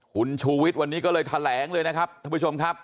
คุณชูวิทย์วันนี้ก็เลยแถลงเลยนะครับท่านผู้ชมครับ